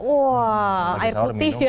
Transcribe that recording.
wah air putih ya